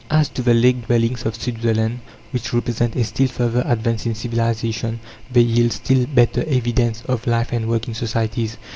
As to the lake dwellings of Switzerland, which represent a still further advance in civilization, they yield still better evidence of life and work in societies.